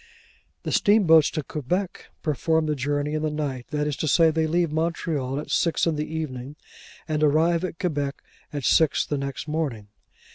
The steamboats to Quebec perform the journey in the night; that is to say, they leave Montreal at six in the evening, and arrive at Quebec at six next morning.